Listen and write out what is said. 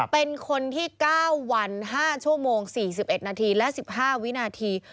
เป็นคนที่๙วัน๕ชั่วโมง๔๑นาทีและ๑๕วินาที